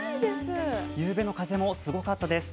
夕べの風もすごかったです。